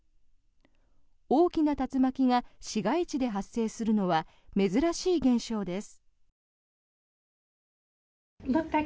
大きな竜巻が市街地で発生するのは珍しい現象です。